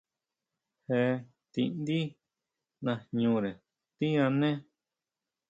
Jé tindí najñure tíʼané.